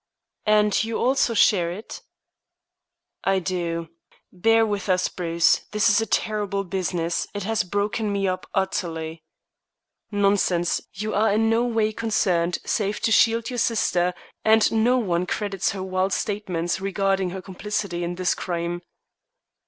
"And you also share it?" "I do. Bear with us, Bruce. This is a terrible business. It has broken me up utterly." "Nonsense. You are in no way concerned save to shield your sister, and no one credits her wild statements regarding her complicity in this crime."